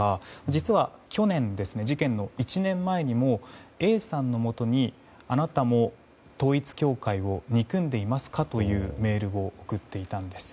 実は、去年事件の１年前にもＡさんのもとにあなたも統一教会を憎んでいますか？というメールを送っていたんです。